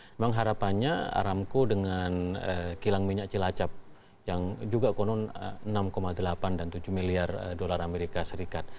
memang harapannya aramco dengan kilang minyak cilacap yang juga konon enam delapan dan tujuh miliar dolar amerika serikat